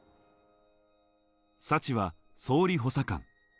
サチは総理補佐官。